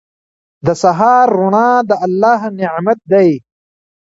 • د سهار روڼا د الله نعمت دی.